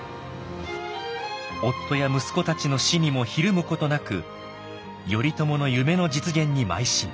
夫や息子たちの死にもひるむことなく頼朝の夢の実現に邁進。